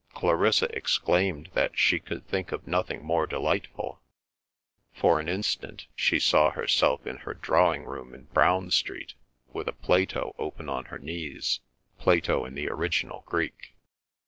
Clarissa exclaimed that she could think of nothing more delightful. For an instant she saw herself in her drawing room in Browne Street with a Plato open on her knees—Plato in the original Greek.